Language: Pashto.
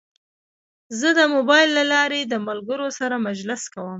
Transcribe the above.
زه د موبایل له لارې د ملګرو سره مجلس کوم.